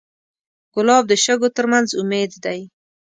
ګلاب د شګو تر منځ امید دی.